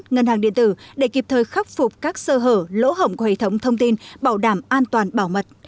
ngân hàng điện tử để kịp thời khắc phục các sơ hở lỗ hổng của hệ thống thông tin bảo đảm an toàn bảo mật